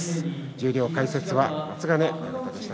十両解説は松ヶ根親方でした。